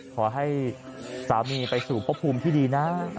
ขอให้สามีไปสู่พระภูมิที่ดีนะ